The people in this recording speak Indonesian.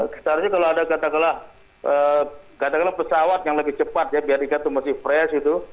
seharusnya kalau ada katakanlah pesawat yang lebih cepat ya biar ikan itu masih fresh gitu